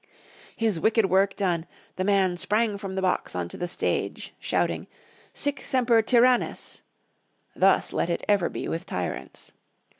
His wicked work done, the man sprang from the box on to the stage shouting, "Sic semper tyrannis," "Thus let it ever be with tyrants."